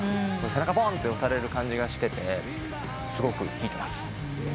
背中ぼんと押される感じがしててすごく聴いてます。